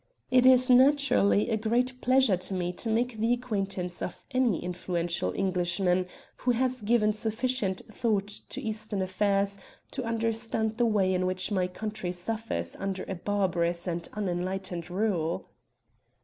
"It is naturally a great pleasure to me to make the acquaintance of any influential Englishman who has given sufficient thought to Eastern affairs to understand the way in which my country suffers under a barbarous and unenlightened rule."